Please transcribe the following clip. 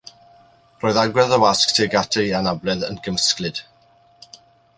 Roedd agwedd y wasg tuag at ei anabledd yn gymysglyd.